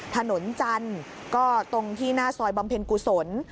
ถนนจันทร์ก็ตรงที่หน้าซอยบำเพ็ญกุศล